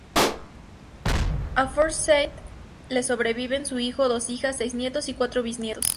A Forsythe le sobreviven su hijo, dos hijas, seis nietos y cuatro bisnietos.